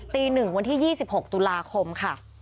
ตีหนึ่งวันที่ยี่สิบหกตุลาคมค่ะ